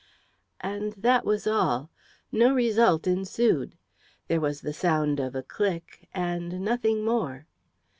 And that was all. No result ensued. There was the sound of a click and nothing more.